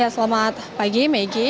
selamat pagi megi